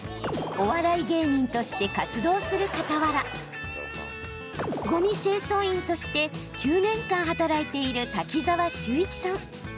お笑い芸人として活動するかたわらごみ清掃員として９年間働いている滝沢秀一さん。